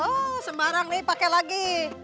oh sembarang nih pake lagi